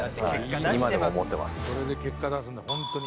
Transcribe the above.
「これで結果出すんだ本当に」